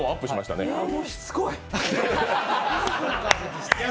あーもうしつこい！